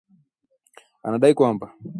Anadai kwamba